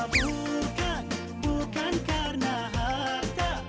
bukan bukan karena hata